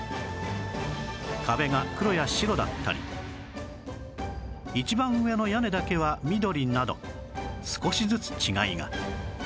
壁が黒や白だったり一番上の屋根だけは緑など少しずつ違いが